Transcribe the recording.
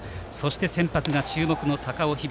先発が注目の高尾響。